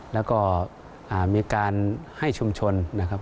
แล้วก็มีการให้ชุมชนนะครับ